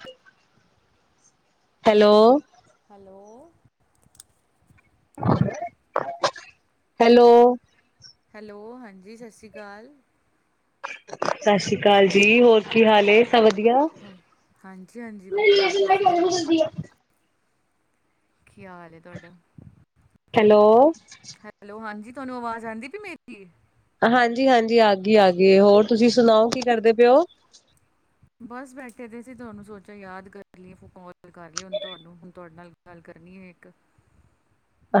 ਠੀਕ, hello, hello, hello, hello, ਹਾਂਜੀ ਸਤਿ ਸ਼੍ਰੀ ਅਕਾਲ। ਸਸ ਰੀ ਅਕਾਲ ਜੀ ਹੋਰ ਕੀ ਹਾਲ ਐ। ਆਪਾ ਵਧੀਆ ਹਾਂ ਹਾਂਜੀ ਹਾਂਜੀ ਵਧੀਆ ਤੁਸੀਂ ਸੁਣਾਓ ਕੀ ਹਾਲ ਹੈ ਤੁਹਾਡਾ? ਹੈਲੋ, ਹੈਲੋ, ਹਾਂਜੀ। ਤੁਹਾਨੂੰ ਆਵਾਜ਼ ਆਉਂਦੀ ਪਈ ਮੇਰੀ ਹਾਂਜੀ-ਹਾਂਜੀ ਆ ਗਈ ਆ ਗਈ, ਹੋਰ ਤੁਸੀਂ ਸੁਣਾਓ ਕੀ ਕਰਦੇ ਪਇਓ। ਬਸ ਬੈਠੇ ਦੇ ਸੀਂ ਤੁਹਾਨੂੰ ਸੋਚਿਆ ਯਾਦ ਕਰ ਲਈਏ ਕੌਲ ਕਰ ਲਈਏ ਹੁਣ ਤੁਹਾਨੂੰ ਹੁਣ ਤੁਹਾਡੇ ਨਾਲ ਗੱਲ ਕਰਨੀ ਐ ਇੱਕ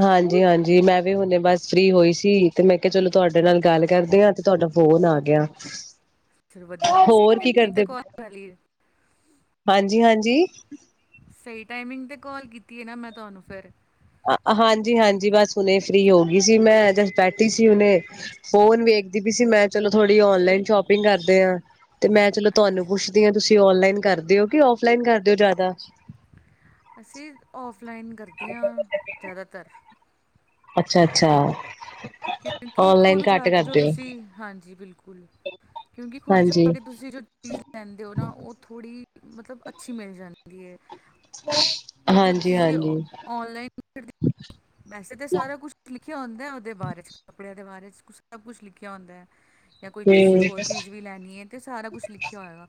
ਹਾਂਜੀ -ਹਾਂਜੀ ਮੈਂ ਵੀ ਹੁਣੇੇ ਬਸ ਫ੍ਰੀ ਹੋਈ ਸੀ ਤੇ ਮੈਂ ਕਿਹਾ ਚਲੋ ਤੁਹਾਡੇ ਨਾਲ ਗੱਲ ਕਰਦਿਆਂ ਤੇ ਤੁਹਾਡਾ ਫੋਨ ਆ ਗਿਆ। ਚਲੋ ਵਧੀਆ ਹੋਗੇ [inaudible] ਹੋਰ ਕੀ ਕਰਦੇ ਜੀ। ਸਹੀ ਟਾਈਮਿੰਗ ਤੇ ਕੌਲ ਕੀਤੀ ਹੈ ਨਾ ਮੈਂ ਤੁਹਾਨੂੰ ਫਿਰ ਹਾਂਜੀ- ਹਾਂਜੀ ਬਸ ਹੁਣੇ ਫ੍ਰੀ ਹੋ ਗਈ ਸੀ ਮੈਂ ਜ ਬੈਠੀ ਸੀ ਹੁਨੇ ਫੋਨ ਵੇਖਦੀ ਵੀ ਸੀ ਮੈਂ ਚਲੋ ਥੋੜੀ ਓਨਲਾਈਨ ਸ਼ੋਪਿੰਗ ਕਰਦੇ ਆ ਤੇ ਮੈਂ ਚਲੋ ਤੁਹਾਨੂੰ ਅੱਛਾ ਪੁੱਛਦੀ ਹਾਂ ਤੁਸੀ ਓਨਲਾਈਨ ਕਰ ਦਿਓ ਕਿ ਔਫਲਾਈਨ ਕਰਦੇ ਓ ਜ਼ਿਆਦਾ। ਅਸੀਂ ਔਫ ਔਫਲਾਈਨ ਕਰਦੇ ਹਾਂ ਜ਼ਿਆਦਾਤਰ। ਅੱਛਾ, ਅੱਛਾ। ਕਿਉਂਕਿ ਔਨਲਾਈਨ ਖੁਦ ਘੱਟ ਜਾ ਕੇ ਜੋ ਕਰਦੇ ਹੋ ਤੁਸੀਂ ਹਾਂਜੀ ਬਿਲਕੁਲ ਕਿਉਂਕਿ ਖੁਦ ਜਾ ਹਾਂਜੀ ਕੇ ਤੁਸੀਂ ਜੋ ਚੀਜ਼ ਲੈਂਦੇ ਹੋ ਨਾ ਉਹ ਥੋੜੀ ਮਤਲਬ ਅੱਛੀ ਮਿਲ ਜਾਂਦੀ। ਜੇ ਹਾਂਜੀ ਤੁਸੀਂ ਹਾਂਜੀ ਔਨਲਾਈਨ ਵੈਸੇ ਤਾਂ ਸਾਰਾ ਕੁਛ ਕੀ ਆਂਦਾ ਉਹਦੇ ਬਾਰੇ ਚ ਕੱਪੜਿਆਂ ਦੇ ਬਾਰੇ ਚ ਕੁ ਸਭ ਕੁਛ ਲਿਖਿਆ ਹੁੰਦਾ। ਜਾਂ ਕੋਈ ਤੇ ਤੁਸੀਂ ਹੋਰ ਚੀਜ਼ ਵੀ ਲੈਣੀ ਹੈ ਤਾਂ ਸਾਰਾ ਕੁਛ ਲਿਖਿਆ ਹੋਏਗਾ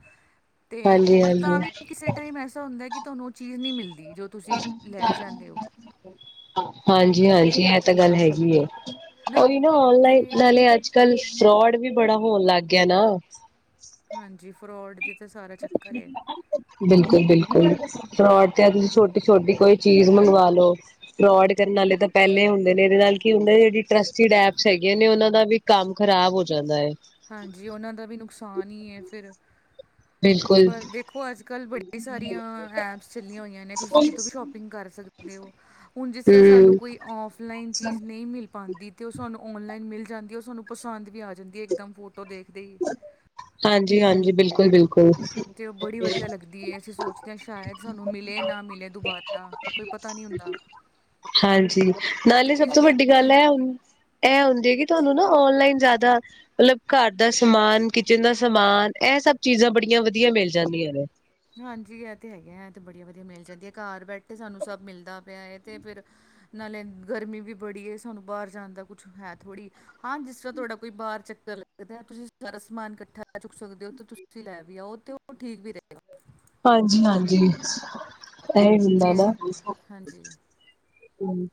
ਅਤੇ ਹਾਂਜੀ ਪਰ ਤਾਂ ਹਾਂਜੀ ਵੀ ਕਿਸੇ ਟਾਈਮ ਐਸਾ ਹੁੰਦਾ ਕਿ ਤੁਹਾਨੂੰ ਚੀਜ਼ ਨਹੀਂ ਮਿਲਦੀ ਜੋ ਤੁਸੀਂ ਲੈਣੀ ਚਾਂਹਦੇ ਹੋ। ਜੀ ਹਾਂਜੀ ਇਹ ਤਾਂ ਗੱਲ ਹੈਗੀ ਐ। ਹੈਨਾ ਔਰ ਇਹ ਨਾ ਔਨਲਾਈਨ ਤੇ ਨਾਲੇ ਅੱਜ- ਕੱਲ੍ਹ ਫਰੋਡ ਵੀ ਬੜਾ ਹੋਣ ਲੱਗ ਗਿਆ ਨਾ। ਹਾਂਜੀ। ਫਰੋਡ ਦੀ ਤੇ ਸਾਰਾ ਚੱਕਰ ਏ। ਬਿਲੁ ਬਿਲਕੁਲ ਫਰੋਡ ਤੇ ਤੁਸੀਂ ਛੋਟੀ ਛੋਟੀ ਕੋਈ ਚੀਜ਼ ਮੰਗਵਾ ਲੋ ਫਰੋਡ ਕਰਨ ਵਾਲੇ ਤਾਂ ਪਹਿਲੇ ਹੁੰਦੇ ਨੇ ਇਹਦੇ ਨਾਲ ਕੀ ਜਿਹੜ ਟਸਡ ਐਪਸ ਹੈਗੇੀਆਂ ਨੇ ਉਹਨਾਂ ਦਾ ਵੀ ਕੰਮ ਖਰਾਬ ਹੋ ਜਾਂਦਾ ਹੈ। ਹਾਂਜੀ ਉਹਨਾਂ ਦਾ ਵੀ ਨੁਕਸਾਨ ਹੀ ਹੈ ਫਿਰ ਬਿਲਕੁਲ ਪਰ ਦੇਖੋ ਅੱਜ ਕੱਲ ਬੜੀ ਸਾਰੀਆਂ ਐਪਸ ਚੱਲੀਆਂ ਹੋਈਆਂ ਨੇ ਤੁਸੀਂ ਕਿਤੋਂ ਵੀ ਸ਼ੋਪਿੰਗ ਕਰ ਸਕਦੇ ਹੋ ਹੁਣ ਜਿਸ ਤਰ੍ਹਾਂ ਸਾਨੂੰ ਹਮ ਕੋਈ ਫਲਾਈਨ ਚੀਜ਼ ਨਹੀਂ ਮਿਲ ਪਾਉਂਦੀ ਤੇ ਉਹ ਸਾਨੂੰ ਔਨਲਾਈਨ ਮਿਲ ਜਾਂਦੀ ਉਹ ਸਾਨੂੰ ਪਸੰਦ ਵੀ ਆ ਜਾਂਦੀ ਹੈ ਇੱਕਦਮ ਫੋਟ। ਹਾਂਜੀ ਹਾਂਜੀ ਬਿਲਕੁਲ। ਬਿਲਕੂਲ ਤੇ ਉਹ ਬੜੀ ਵਧੀਆ ਲੱਗਦੀ ਹੈ ਅਸੀਂ ਸੋਚਦੇ ਹਾਂ ਸ਼ਾਇਦ ਸਾਨੂੰ ਮਿਲੇ ਨਾ ਮਿਲੇ ਦੁਬਾਰਾ ਕੋਈ ਪਤਾ ਨਹੀਂ ਹੁੰਦਾ। ਨਾਲ ਤੇ ਹੀ ਸਭ ਇਸ ਤੋਂ ਵੱਡੀ ਇਹ ਗੱਲ ਏ ਹੁਣ ਇਹ ਉਂਜੈ ਤੁਹਾਨੂੰ ਨਾ ਔਨਲਾਈਨ ਜਿਆਦਾ ਮਤਲਬ ਘਰ ਦਾ ਸਮਾਨ ਕਿਚਨ ਦਾ ਸਮਾਨ ਇਹ ਸਭ ਚੀਜ਼ਾਂ ਬੜੀਆਂ ਵਧੀਆ ਮਿਲ ਜਾਂਦੀਆਂ ਨੇ ਹਾਂਜੀ ਇਹ ਤੇ ਹੈਗੇ ਹੈ ਤੇ ਬੜੀਆ ਵਧੀਆ ਮਿਲ ਜਾਂਦੀ ਹੈ ਘਰ ਬੈਠੇ ਸਾਨੂੰ ਸਭ ਮਿਲਦਾ ਪਿਆ ਹੈ ਤੇ ਫਿਰ ਨਾਲੇ ਗਰਮੀ ਵੀ ਬੜੀ ਹੈ ਸਾਨੂੰ ਬਾਹਰ ਜਾਣ ਦਾ ਕੁਛ ਹੈ ਥੋੜ੍ਹੀ ਹਾਂ ਜਿਸ ਤਰ੍ਹਾਂ ਤੁਹਾਡਾ ਕੋਈ ਬਾਹਰ ਚੱਕਰ ਲੱਗਦਾ ਤੁਸੀਂ ਸਾਰਾ ਸਮਾਨ ਇਕੱਠਾ ਚੁੱਕ ਸਕਦੇ ਹੋ ਤਾਂ ਤੁਸੀਂ ਲੈ ਵੀ ਆਓ ਤੇ ਉਹ ਠੀਕ ਵੀ ਰਹੇ ਹਾਂਜੀ ਹਾਂਜੀ। [inaudible] ਤੇ ਹਾਂਜੀ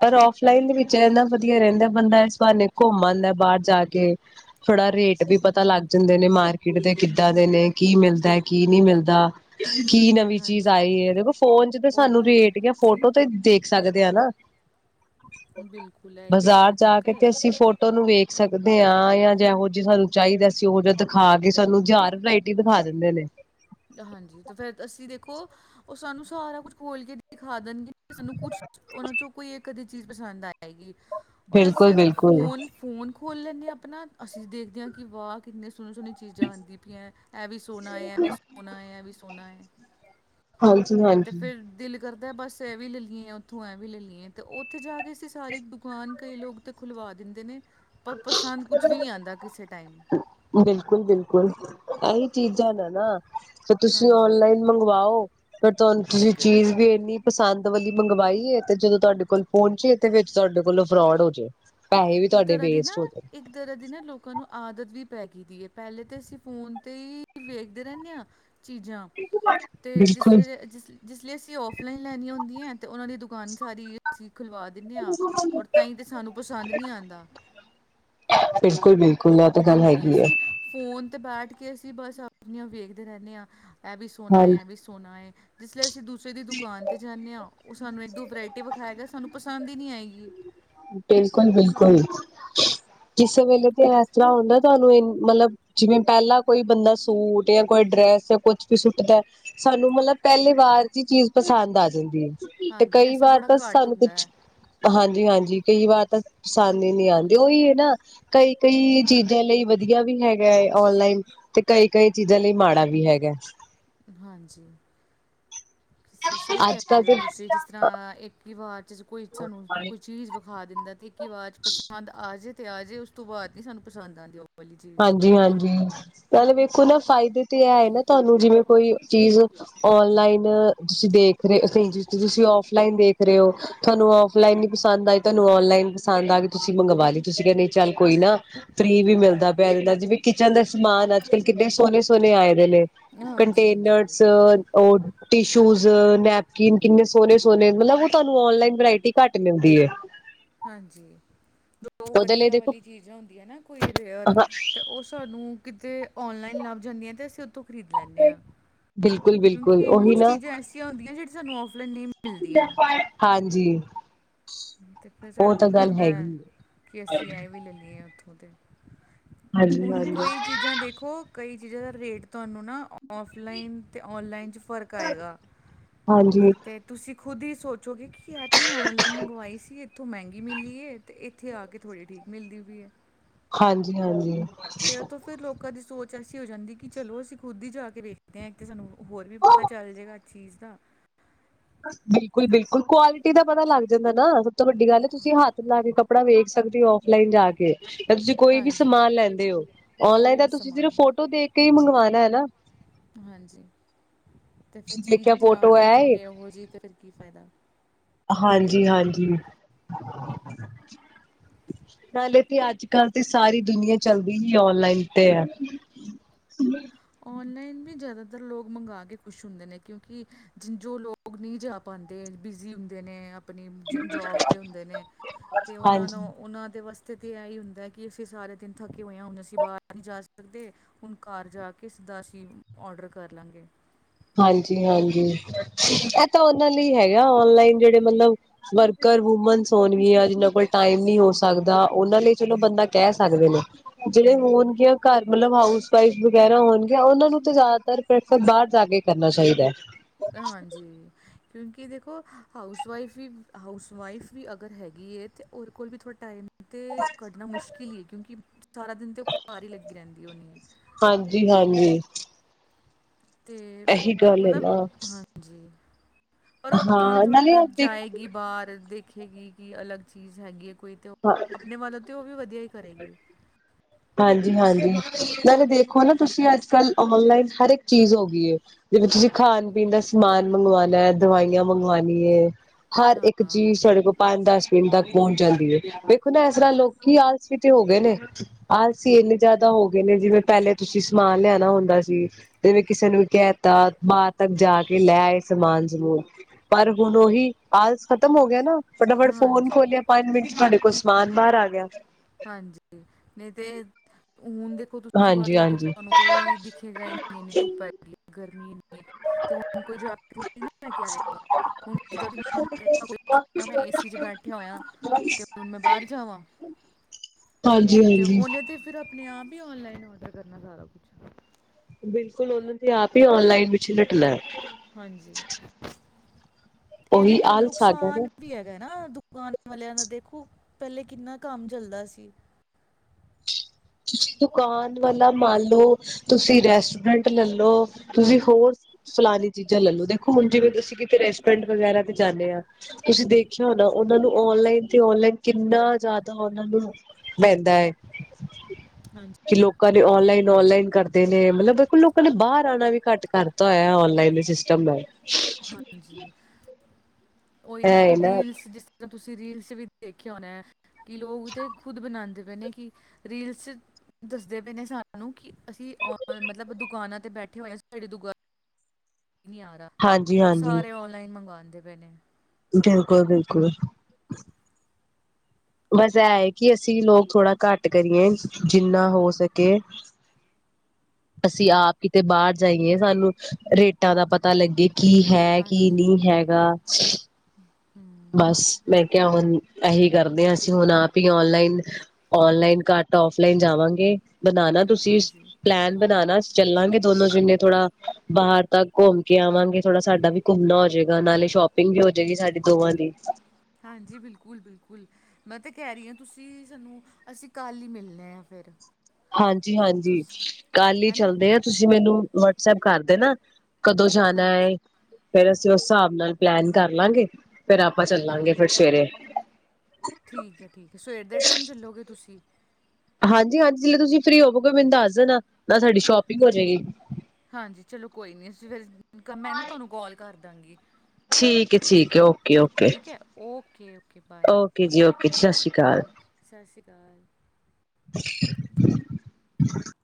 ਪਰ ਅਫਲਾਈਨ ਦੇ ਵਿੱਚ ਇਹਨਾ ਵਧੀਆ ਰਹਿੰਦਾ ਬੰਦਾ ਇਸ ਬਰੇ ਘੁੰਮਣਂਦਾ ਬਾਹਰ ਜਾ ਕੇ ਥੋੜਾ ਰੇਟ ਵੀ ਪਤਾ ਲੱਗ ਜਾਂਦੇ ਨੇ ਮਾਰਕੀਟ ਦੇ ਕਿੱਦਾਂ ਦੇ ਨੇ ਕੀ ਮਿਲਦਾ ਕੀ ਨਹੀਂ ਮਿਲਦਾ ਕੀ ਨਵੀਂ ਹਾਂਜੀ ਆਈ ਹੈ ਦੇਖੋ ਫੋਨ ਚ ਤੇ ਉਹ ਸਾਨੂੰ ਉਹੀ ਰੇਟ ਫੋਟੋ ਤੇ ਦੇਖ ਸਕਦੇ ਹਾਂ ਨਾ ਬਿਲਕੁਲ ਏ ਇਹ ਤੇ ਸਾਰਾ ਚੱਕਰ ਹੈ ਤੁਹਾਨੂੰ ਵੇਖ ਸਕਦੇ ਹਾਂ ਜਾਂ ਜਹੋ ਜਿ ਸਾਨੂੰ ਚਾਹੀਦਾ ਅਸੀਂ ਉਹੋ ਜਿਹਾ ਦਿਖਾ ਕੇ ਸਾਨੂੰ ਜ਼ਾਰ ਵਰਾਇਟੀ ਦਿਖਾ ਦਿੰਦੇ ਨੇ ਹਾਂਜੀ ਤੇ ਫੇਰ ਅਸੀਂ ਦੇਖੋ ਉਹ ਸਾਨੂੰ ਸਾਰਾ ਕੁਛ ਖੋਲ ਕੇ ਦਿਖਾ ਦੇਣਗੇ ਸਾਨੂੰ ਕੁਛ ਉਹਨਾਂ ਚੋਂ ਕੋਈ ਕਦੇ ਚੀਜ਼ ਪਸੰਦ ਆਏਗੀ ਔਰ ਅਸੀਂ ਬਿਲਕੁਲ ਅਗਰ ਬਿਲਕੁਲ ਫੋਨ ਫੋਨ ਖੋਲ ਲੈਂਦੇ ਹਾਂ ਆਪਣਾ ਅਸੀਂ ਦੇਖਦੇ ਹਾਂ ਕਿ ਵਾਹ ਕਿੰਨੇ ਸੋਹਣੇ ਸੋਹਣੀ ਚੀਜ਼ਾਂ ਆਂਦੀ ਪਿਆ ਇਹ ਵੀ ਸੋਹਣਾ ਹੈ ਇਹ ਵੀ ਸੋਨਾ ਏ ਅ ਵੀ ਸੋਨਾ ਹੈ ਹਾਂਜੀ ਤੇ ਹਾਂਜੀ ਫਿਰ ਦਿਲ ਕਰਦਾ ਬਸ ਐਂ ਵੀ ਲੈ ਲਈਏ ਉੱਥੋਂ ਐਂ ਵੀ ਲੈ ਲਈਏ ਅਤੇ ਉੱਥੇ ਜਾ ਕੇ ਅਸੀਂ ਸਾਰੀ ਦੁਕਾਨ ਕਈ ਲੋਕ ਤਾਂ ਖੁਲਵਾ ਦਿੰਦੇ ਨੇ ਪਰ ਪਸੰਦ ਕੁਛ ਵੀ ਨਹੀਂ ਆਉਂਦਾ ਕਿਸੇ [unintelligible] ਬਿਲਕੁਲ ਬਿਲਕੁਲ ਇਹੀ ਚੀਜ਼ਾਂ ਨੇ ਨਾ ਤੇ ਤੁਸੀਂ ਹਾਂਜੀ ਔਨਲਾਈਨ ਮੰਗਵਾਓ ਪਰ ਤੁਹਾਨੂੰ ਤੁਸੀਂ ਇੱਕ ਚੀਜ਼ ਵੀ ਇਨੀ ਪਸੰਦ ਵੀ ਮੰਗਵਾਈਏ ਤੇ ਜਦੋਂ ਤੁਹਾਡੇ ਕੋਲ ਪਹੁੰਚੇ ਤੇ ਫਿਰ ਤੁਹਾਡੇ ਕੋਲੋਂ ਫਰੋਡ ਹੋ ਜਾੇ ਇੱਕ ਤਰ੍ਹਾਂ ਦੀ ਨਾ ਇੱਕ ਤਰ੍ਹਾਂ ਦੀ ਨਾ ਲੋਕਾਂ ਨੂੰ ਆਦਤ ਵੀ ਪੈ ਗ ਦੀ ਹੈ ਪਹਿਲੇ ਤਾਂ ਅਸੀਂ ਫੋਨ ਤੇ ਹੀ ਵੇਖਦੇ ਰਹਿੰਦੇ ਹਾਂ ਚੀਜ਼ਾਂ ਤੇ ਜਿਸ ਬਿਲਕੁਲ ਜਿਸ ਵੇਲੇ ਅਸੀਂ ਆਫ ਲੈਣੀਆਂ ਹੁੰਦੀਆ। ਤੇ ਉਹਨਾਂ ਦੀ ਦੁਕਾਨ ਸਾਰੀ ਅਸੀਂ ਖੁਲਵਾ ਦਿੰਨੇ ਆ ਔਰ ਤਾਹੀ ਤੇ ਸਾਨੂੰ ਪਸੰਦ ਨਹੀਂ ਆਦਾ ਖੁਲਾ ਤਾਂ ਗੱਲ ਹੈਗੀ ਆ ਤੇ ਬੈਠ ਕੇ ਅਸੀਂ ਬਸ ਆਪਣ ਵੇਖਦੇ ਰਹਿੰਦੇ ਹਾਂ ਇਹ ਵੀ ਸੋਹਣਾ ਹੈ ਇਹ ਵੀ ਹਾਂਜੀ ਸੋਹਣਾ ਹੈ ਜਿਸਲੇ ਅਸੀਂ ਦੂ ਕਿਸੇ ਦੀ ਦੁਕਾਨ ਤੇ ਜਾਨੇ ਆ ਉਹ ਸਾਨੂੰ ਇੱਕ ਦੋ ਵਰਾਇਟੀ ਵਿਖਾਏਗਾ, ਸਾਨੂੰ ਪਸੰਦ ਈ ਨੀ ਹੀ ਨਹੀ ਆਏਂਗੀ ‌। ਬਿਲਕੁਲ-ਬਿਲਕੁਲ। ਕਿਸੇ ਵੇਲੇ ਤੇ ਇਸ ਐਸ- ਤਰ੍ਹਾਂ ਹੁੰਦਾ, ਤੁਹਾਨੂੰ ਇ ਮਤਲਬ, ਜਿਵੇਂ ਪਹਿਲਾਂ ਕੋਈ ਬੰਦਾ ਸੂਟ ਜਾਂ ਕੋਈ ਡਰੈਸ ਜਾਂ ਕੁਛ ਵੀ ਸੁੱਟਦਾ, ਸਾਨੂੰ ਮਤਲਬ ਪਹਿਲੀ ਵਾਰ ਦੀ ਚੀਜ਼ ਪਸੰਦ ਆ ਜਾਂਦੀ ਐ। ਤੇ, ਹਾਂਜੀ ਕਈ ਐਸਾ ਵਾਰ ਬੜਾ ਤਾਂ ਘੱਟ ਸਾਨੂੰ ਹੁੰਦਾ ਕੁਛ ਹੈ ਹਾਂਜੀ-ਹਾਂਜੀ, ਕਈ ਵਾਰ ਤਾਂ ਪਸੰਦ ਹੀ ਨੀ ਆਦੀ, ਉਹੀ ਹੈ ਨਾ ਕਈ ਕਈ ਚੀਜ਼ਾਂ ਲਈ ਵਧੀਆ ਵੀ ਹੈਗਾ ਔਨਲਾਈਨ, ਤੇ ਕਈ ਕਈ ਚੀਜ਼ਾਂ ਲਈ ਮਾੜਾ ਵੀ ਹੈਗਾ। ਹਾਂਜੀ, ਸਹੀ ਅੱਜ ਕੱਲ ਕਹਿੰਤੇ ਔ ਤੁਸੀਂ, ਤੇ ਜਿਸ ਤਰ੍ਹਾਂ ਇੱਕ ਹੀ ਵਾਰ ਕੋਈ ਸਾਨੂੰ ਕੋਈ ਚੀਜ਼ ਖਾ ਦਿੰਦਾ ਤੇ ਕੀ ਆਵਾਜ਼ ਪਸੰਦ ਆ ਜੇ ਤੇ ਆ ਜੇ, ਉਸ ਤੋਂ ਬਾਅਦ ਨੀ ਸਾਨੂੰ ਪਸੰਦ ਆਦੀ, ਉਹ ਵਾਲੀ ਚੀਜ਼ ਹਾਂਜੀ-ਹਾਂਜੀ, ਪਹਿਲੇ ਵੇਖੋ ਨਾ ਫਾਇਦੇ ਤੇ ਇਹ ਐ, ਨਾ ਤੁਹਾਨੂੰ ਜਿਵੇਂ ਕੋਈ ਚੀਜ਼ ਔਨਲਾਈਨ, ਤੁਸੀਂ ਦੇਖ ਰਹੇ ਕੇ ਚੀ ਤੁਸੀਂ ਔਫਲਾਈਨ ਦੇਖ ਰਹੇ ਹੋ, ਤੁਹਾਨੂੰ ਔਫਲਾਈਨ ਨੀ ਪਸੰਦ ਆਈ ਤੁਹਾਨੂੰ ਔਨਲਾਈਨ ਪਸੰਦ ਆ ਗਈ, ਤੁਸੀਂ ਮੰਗਵਾ ਲੀ, ਤੁਸੀਂ ਕਿਹਾ ਕੀ ਚੱਲ ਕੋਈ ਨਾ ਫ੍ਰਰੀ ਵੀ ਹਾਂ ਮਿਲਦਾ ਜਿਵੇਂ ਕਿਚਨ ਦਾ ਸਮਾਨ, ਅਜ ਕੱਲ ਕਿਨੇ ਸੋਹਣੇ-ਸੋਹਣੇ ਆਏ। ਨਾ, ਹਾਂਜੀ ਹਾਂਜੀ ਕਟੇਨਸ ਉਹ ਟਿਸ਼ੂਜ ਨੈਪਕਿਨ, ਕਿੰਨੇ ਸੋਹਣੇ-ਸੋਹਣੇ, ਮਤਲਬ ਉਹ ਤੁਹਾਨੂੰ ਔਨਲਾਈਨ ਵਰਾਇਟੀ ਘੱਟ ਮਿਲਦੀ ਐ। ਹਾਂਜੀ। ਉਹ ਲਈ ਵਧੀਆ ਦੇਖੋ ਵਾਲੀ ਚੀਜ਼ਾਂ ਹੁੰਦੀਆਂ ਨਾ, ਕੋਈ ਰੀਅਰ ਹਾਂ ਤੇ ਉਹ ਸਾਨੂੰ ਕਿਤੇ ਔਨਲਾਈਨ ਲੱਭ ਜਾਂਦੀਆਂ, ਤੇ ਅਸੀਂ ਉੱਥੋਂ ਖਰੀਦ ਲੈਂਦੇ ਐ। ਬਿਲਕੁਲ-ਬਿਲਕੁਲ ਕਿਉਂਕਿ ਉਹੀ ਕੁਛ ਨਾ ਚੀਜ਼ਾਂ ਐਸੀਆਂ ਹੁੰਦੀਆਂ, ਜਿਹੜੀ ਸਾਨੂੰ ਔਫਲਾਈਨ ਨਹੀਂ ਮਿਲਦੀਆਂ। ਹਾਂਜੀ ਤੇ ਫੇਰ ਸਾਡਾ ਉਹ ਤਾਂ ਦਿਲ ਗੱਲ ਕਰਦਾ ਐ, ਹੈਗੀ ਕਿ ਅਸੀਂ ਐਂਵੇ ਲੈ ਲਈਏ ਆ। ਉਹ ਤੇ ਹਾਂਜੀ ਹੁਣ ਹਾਂਜੀ ਕੋਈ ਚੀਜ਼ਾਂ ਦੇਖੋ, ਕਈ ਜੀ ਦਾ ਰੇਟ ਤੁਹਾਨੂੰ ਨਾ ਔਫਲਾਈਨ ਤੇ ਔਨਲਾਈਨ ਚ ਫ਼ਰਕ ਆਏਗਾ ਹਾਂਜੀ ਤੇ, ਤੁਸੀਂ ਖੁਦ ਹੀ ਸੋਚੋਗੇਂ, ਕੀ ਇਹ ਤੇ ਮੈਂ ਔਨਲਾਈਨ ਮੰਗਵਾਈ ਸੀ, ਇੱਥੋਂ ਮਹਿੰਗੀ ਮਿਲੀ ਐ ਤੇ, ਇੱਥੇ ਆ ਕੇ ਥੋੜੀ ਠੀਕ ਮਿਲਦੀ ਵੀ ਹੈ। ਹਾਂਜੀ-ਹਾਂਜੀ, ਤੇ ਉਹ ਤੋਂ ਫੇਰ ਲੋਕਾਂ ਦੀ ਸੋਚ, ਚਰਸੀ ਹੋ ਜਾਂਦੀ ਕਿ ਚਲੋ ਅਸੀਂ ਖੁਦ ਹੀ ਜਾ ਕੇ ਵੇਖਦੇ ਹਾਂ ਤੇ ਸਾਨੂੰ ਹੋਰ ਵੀ ਪਤਾ ਚੱਲ ਜਏਗਾ। ਚੀਜ਼ ਦਾ, ਬਿਲਕੁਲ-ਬਿਲਕੁਲ ਕੁਆਲਿਟੀ ਦਾ ਪਤਾ ਲੱਗ ਜਾਂਦਾ ਨਾ, ਵੱਡੀ ਗੱਲ ਹੱਥ ਲਾ ਕੇ ਕੱ ਕੱਪੜਾ ਵੇਖ, ਸਕਦੇ ਹੋ ਔਫਲਾਈਨ ਜਾ ਕੇ ਜਾਂ ਤੁਸੀਂ ਕੋਈ ਵੀ ਹਾਂਜੀ ਸਮਾਨ ਲੈਂਦੇ ਹੋ ਔਨਲਾਈਨ ਕੋਈ ਦਾ ਵੀ ਤੁਸੀਂ ਸਿਰਫ ਸਮਾਨ ਫੋਟੋ ਦੇਖ। ਕਈ ਮੰਗਵਾਣਾ ਹੈ ਨਾ, ਹਾਂਜੀ, ਤੇ ਫਿਰ ਚੀਜ਼ ਦੇਖਿਆ ਨਾ ਫੋਟੋ ਵੀ ਹੈ ਨਿਕਲ ਉਹੋ ਜਿਹੀ ਤੇ ਫਿਰ ਕੀ ਫਾਇਦਾ। ਹਾਂਜੀ-ਹਾਂਜੀ, ਪਲੇ ਤੇ ਅੱਜ ਕਲ ਤੇ ਸਾਰੀ ਦੁਨੀਆਂ ਚਲਦੀ ਹੀ ਔਨਲਾਈਨ ਤੇ। ਔਨਲਾਈਨ ਵੀ ਜ਼ਿਆਦਾਤਰ ਲੋਕ ਮੰਗਵਾ ਕੇ ਖੁਸ਼ ਹੁੰਦੇ ਨੇ ਕਿਉਂਕਿ ਜੋ ਨਹੀਂ ਜਾ ਪਾਦੇ ਬਿਜ਼ੀ ਹੁੰਦੇ ਨੇ। ਆਪਣੀ ਜੋਬ ਤੇ ਹੁੰਦੇ ਨੇ ਤੇ ਉਹ ਨੂੰ ਹਾਂਜੀ ਉਹਨਾਂ ਦੇ ਬਸ, ਅਤੇ ਤੇ ਇਹ ਹੀ ਹੁੰਦਾ ਕਿ ਉਸ ਸਾਰਾ ਦਿਨ ਥੱਕ ਹੋਏ ਹੁਣ ਅਸੀਂ ਬਾਹਰ ਨ ਜਾ ਸਕਦੇ ਹੁਣ ਘਰ ਜਾ ਕੇ, ਕਿਸ ਦਾ ਅਸੀਂ ਔਡਰ ਕਰ ਲਵਾਂਗੇ। ਹਾਂਜੀ-ਹਾਂਜੀ ਇਹ ਤਾਂ ਉਹਨਾਂ ਲਈ ਹੈਗਾ ਔਨਲਾਈਨ ਜਿਹੜੇ ਮਤਲਬ ਵਰਕਰ ਵੂਮਨ ਹੋਣ ਗਿਆ, ਜਿਨਾਂ ਕੋਲ ਟਾਈਮ ਨੀ ਹੋ ਸਕਦਾ ਉਹਨਾਂ ਲਈ ਚਲੋ ਬੰਦਾ ਕਹਿ ਸਕਦੇ ਨੇ। ਜਿਹੜੇ ਹੂੰ ਹੋਣਗੀਆਂ ਘਰ ਮਤਲਬ ਹਾਊਸ ਸਾਈ ਵਗੈਰਾ ਹੋਣਗੀਆਂ ਉਹਨਾਂ ਨੂੰ ਤੇ ਜ਼ਿਆਦਾਤਰ ਪ੍ਰਫਰ ਬਾਹਰ ਜਾ ਕੇ ਕਰਨਾ ਚਾਹੀਦਾ ਹੈ। ਹਾਂਜੀ, ਕਿਉਂਕਿ ਦੇਖੋ, ਹਾਊਸ ਵਾਈਫ ਵੀ ਹਾਊਸ ਵਾਈਫ ਵੀ ਅਗਰ ਹੈਗੀ ਹੈ ਤੇ ਉਹਦੇ ਕੋਲ ਵੀ ਥੋੜਾ ਟਾਈਮ ਤੇ ਕੱਢਨਾ ਮੁਸ਼ਕਿਲ ਹੀ ਕਿਉਂਕਿ ਸਾਰਾ ਦਿਨ ਤੇ ਉਹ ਘਰ ਹੀ ਲੱਗੀ ਰਹਿੰਦੀ ਹੋਣੀ। ਹਾਂਜੀ ਹਾਂਜੀ, [inaudible] ਤੇ ਇਹੀ ਗੱਲ ਹੈ ਮਤਲਬ ਨਾ। ਹਾਂਜੀ, ਪਰ ਉਹ ਤਾਂਣੇ ਹਾਂ ਨਾਲੇ ਥੋੜਾ ਦੇਖ ਜਾਏਗੀ ਬਾਹਰ ਦੇ। [inaudible] ਦੇਖੇਗੀ ਕਿ ਅਲੱਗ ਚੀਜ਼ ਹੈਗੀ ਹੈ। ਕੋਈ ਤੇ ਆਪਣੇ ਵੱਲੋਂ ਤੇ ਉਹ ਵੀ ਵਧੀਆ। ਕੀ ਕਰੇਗੀ। ਹਾਂਜੀ ਹਾਂਜੀ ਨਾਲੇ ਦੇਖੋ ਨਾ ਤੁਸੀਂ ਅੱਜ ਕੱਲ ਔਨਲਾਈਨ ਹਰ ਇੱਕ ਚੀਜ਼ ਹੋ ਗਈ ਹੈ, ਜਿਵੇਂ ਤੁਸੀਂ ਖਾਣ ਪੀਣ ਦਾ ਸਮਾਨ ਮੰਗਵਾਣਾ ਦਵਾਈਆਂ ਮੰਗਵਾਣੀ ਹੈ। ਹਰ ਹਾਂ। ਇੱਕ ਚੀਜ਼ ਤੁਹਾਡੇ ਕੋਲ ਪੰਜ ਦਸ ਮਿੰਟ ਤੱਕ ਪਹੁੰਚ ਜਾਂਦੀ ਹੈ। ਵੇਖੋ ਨਾ ਇਸ ਤਰ੍ਹਾਂ ਲੋਕੀ ਆਲਸੀ ਜਿਹੇ ਹੋ ਗਏ ਨੇ। ਆਲਸੀ ਇੰਨੇ ਜ਼ਿਆਦਾ ਹੋ ਗਏ ਨੇ ਜਿਵੇਂ ਪਹਿਲੇ ਤੁਸੀਂ ਸਮਾਨ ਲਿਆਣਾ ਹੁੰਦਾ ਸੀ ਜਿਵੇਂ ਕਿਸੇ ਨੂੰ ਵੀ ਕਹਿ ਦਿੱਤਾ ਬਾਹਰ ਤੱਕ ਜਾ ਕੇ ਲੈ ਆਏ ਸਮਾਨ ਸਮੂਨ ਪਰ ਹੁਣ ਉਹੀ ਆਲਸ ਖ਼ਤਮ ਹੋ ਗਿਆ ਨਾ। ਫਟਾਫਟ ਫੋਨ ਹਾਂਜੀ। ਖੋਲਿਆ ਪੰਜ ਮਿੰਟ ਵਿੱਚ ਤੁਹਾਡੇ ਕੁਝ ਸਮਾਨ ਬਾਹਰ ਆ ਗਿਆ। ਹਾਂਜੀ ਨਹੀਂ ਤੇ। ਹਾਂਜੀ-ਹਾਂਜੀ। ਮੈਂ [inaudible] ਹਾਂਜੀ ਤੇ ਹਾਂਜੀ ਉਹਨੇ ਤਾਂ ਫਿਰ ਆਪਣੀ। ਆਪ ਹੀ ਔਨਲਾਈਨ ਔਡਰ ਕਰਨਾ ਸਾਰਾ ਜੀ [inaudible] ਬਿਲਕੁਲ ਉਹਨਾਂ ਦੀ ਆਪ ਹੀ ਔਨਲਾਈਨ। ਹਾਂਜੀ ਇਹਦੇ ਉਹੀ ਨਾਲ ਆਲਸ ਆ ਗਿਆ ਨੁਕਸਾਨ ਨਾ ਵੀ ਹੈਗਾ ਐ ਨਾ। ਦੁਕਾਨ ਵਾਲਿਆਂ ਦਾ ਦੇਖੋ ਪਹਿਲੇ ਕਿੰਨਾ ਕੰਮ ਚੱਲਦਾ ਸੀ। ਦੁਕਾਨ ਵਾਲਾ ਮਨ ਲੋ ਤੁਸੀਂ ਰੈਸਟੋਰੈਂਟ ਲੈਲੋ ਤੁਸੀਂ ਹੋਰ ਫਲਾਨੀ ਚੀਜ਼ਾਂ ਲੈਲੋ ਦੇਖੋ ਹੁਣਜਿਵੇ ਤੁਸੀਂ ਕਿਤੇ ਤੁਸੀਂ ਦੇਖ ਰਹੇ ਹੋ ਨਾ ਉਹਨਾਂ ਨੂੰ ਆਨਲਾਈਨ ਤੇ ਆਨਲਾਈਨ ਕਿੰਨਾ ਜਿਆਦਾ [unintelligible] ਰੈਸਟੋਰੈਂਟ ਵਗੈਰਾ ਤੇ ਜਾਂਦੇ ਆ ਤੁਸੀਂ ਦੇਖਿਆ ਹੋਣਾ ਉਹਨਾਂ ਨੂੰ ਆਨਲਾਈਨ ਤੇ ਆਫਲਾਈਨ ਕਿੰਨਾ ਜ਼ਿਆਦਾ ਨੂੰ ਪੈਂਦਾ ਹੈ ਕਿ ਹਾਂਜੀ ਲੋਕਾਂ ਨੇ ਔਨਲਾਈਨ ਔਨਲਾਈਨ ਕਰਨਾ। ਨੇ ਮਤਲਬ ਬਿਲਕੁਲ ਲੋਕਾਂ ਨੇ ਬਾਹਰ ਆਉਣਾ ਵੀ ਘੱਟ ਕਰਤਾ ਹੋਇਆ ਔਨਲਾਈਨ ਸਿਸਟਮ ਹੈ। ਹਾਂਜੀ ਉਹੀ ਨਾ ਰੀਲਸ ਜਿਸ ਤਰ੍ਹਾਂ ਤੁਸੀਂ। ਰੀਲਜ਼ ਵਿਚ ਦੇਖਿਆ ਹੋਣਾ। ਕਿ ਲੋਕ ਤੇ ਖੁਦ ਬਣਾਉਂਦੇ। ਨੇ ਕਿ ਰੀਲਸ ਦੱਸਦੇ ਪਏ ਨੇ ਸਾਨੂੰ ਕਿ ਅਸੀਂ ਉਹ ਮਤਲਬ ਦੁਕਾਨਾਂ। ਤੇ ਬੈਠੇ ਹੋਏ ਨੇ ਸਾਡੇ ਦੁਕਾਨਾਂ ਨਹੀਂ ਆ ਹਾਂਜੀ ਹਾਂਜੀ ਸਾਰੇ ਓਨਲਾਈਨ ਮੰਗਵਾਉਂਦੇ ਵੇਲੇ [unintelligible] ਬਿਲਕੁਲ ਬਿਲਕੁਲ ਬਸ ਇਹ ਹੈ ਕਿ ਅਸੀਂ ਲੋਕ ਥੋੜ੍ਹਾ ਘੱਟ ਕਰੀਏ ਜਿੰਨਾ ਹੋ ਸਕੇ ਅਸੀਂ ਆਪ ਕਿਤੇ ਬਾਹਰ ਜਾਈਏ ਸਾਨੂੰ ਰੇਟਾਂ ਦਾ ਪਤਾ ਲੱਗੇ। ਕੀ ਹੈ ਕੀ ਹਾਂਜੀ ਨਹੀਂ ਹੈਗਾ ਬਸ ਹਮ ਮੈਂ ਕਿਹਾ ਹੁਣ ਇਹੀ ਕਰਦੇ ਹਾਂ ਅਸੀਂ ਹੁਣ ਆਪ ਹੀ ਔਨਲਾਈਨ ਔਨਲਾਈਨ ਘੱਟ ਆਫਲਾਈਨ ਜਾਵਾਂਗੇ ਬਨਾਨਾ ਤੁਸੀਂ ਹਾਂਜੀ ਪਲੈਨ ਨਾ ਨਾ ਚੱਲਾਂਗੇ ਦੋਨੋ ਜਿੰਨੇ ਥੋੜਾ ਬਾਹਰ ਤ ਘੁੰਮ ਕੇ ਆਵਾਂਗੇ ਥੋੜਾ ਸਾਡਾ ਵੀ ਘੁੰਮਣਾ ਹੋਜੇਗਾ ਨਾਲੇ ਸ਼ੋਪਿੰਗ ਵੀ ਹੋਜੇਗੀ ਸਾਡੀ ਦੋਵਾਂ ਦੀ ਹਾਂਜੀ ਬਿਲਕੁਲ ਬਿਲਕੁਲ ਮੈਂ ਤੇ ਕਹਿ ਰਹੀ ਹਾਂ ਤੁਸੀਂ ਸਾਨੂੰ ਅਸੀਂ ਕੱਲ ਹੀ ਮਿਲਣੇ ਆ ਫਿਰ ਹਾਂਜੀ ਹਾਂਜੀ ਤੁਸੀਂ ਕੱਲ ਹੀ ਹੈ ਨਾ ਚੱਲਦੇ ਆ ਤੁਸੀਂ ਮੈਨੂੰ ਵਟਸਐਪ ਕਰ ਦੇਣਾ ਕਦੋਂ ਜਾਣਾ ਹਾਂਜੀ ਏ ਫੇਰ ਅਸੀਂ ਉਸ ਹਿਸਾਬ ਨਾਲ ਪਲੈਨ ਕਾਰ ਲਾਂਗੇ ਫੇਰ ਆਪਾਂ ਚੱਲਾਂਗੇ ਬਿਲਕੁਲ ਫੇਰ ਸਵੇਰੇ ਠੀਕ ਹੈ -ਠੀਕ ਹੈ ਸਵੇਰ ਦੇ ਟਾਈਮ ਚੱਲੋਗੇ ਤੁਸੀਂ ਹਾਂਜੀ। ਹਾਂਜੀ ਜਦੋਂ ਤੁਸੀਂ ਫਰੀ ਹੋਵੋਗੇ ਮੈਨੂੰ ਦੱਸ ਦੇਣਾ ਨਾਲ ਸਾਡੀ ਸ਼ੋਪਿੰਗ ਹੋਜੇਗੀ। ਹਾਂਜੀ ਚਲੋ ਕੋਈ ਨੀ ਫਿਰ ਮੈਂ ਨਾ ਤੁਹਾਨੂੰ ਕਾਲ ਕਰ [inaudible] ਠੀਕ ਹਏ। ਠੀਕ ਏ ਓਕੇ-ਓਕੇ ਓਕੇ ਠੀਕ ਹੈ ਓਕੇ। Okay, bye. ਓਕੇ ਜੀ ਓਕੇ ਜੀ ਸਤਿ ਸ਼੍ਰੀ ਅਕਾਲ ਸਤਿ ਸ਼੍ਰੀ ਅਕਾਲ [unintelligible]